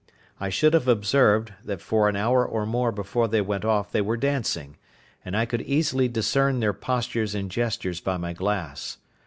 I should have observed, that for an hour or more before they went off they were dancing, and I could easily discern their postures and gestures by my glass.